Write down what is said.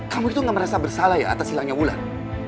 kamu itu gak merasa bersalah ya atas hilangnya wulan